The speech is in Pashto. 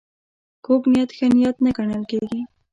کوږ نیت ښه نیت نه ګڼل کېږي